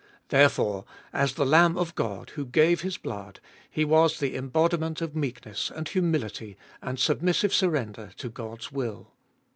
There fore^ as the Lamb of God, who gave His blood, He was the embodiment of meekness, and humility, and submissive surrender to God's will.